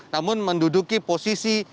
namun menduduki posisi empat